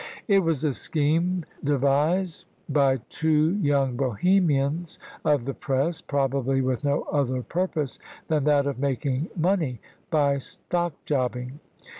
It was a scheme devised by two young Bohemians of the press, probably with no other purpose than that of making money by stock jobbing.